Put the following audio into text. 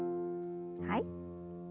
はい。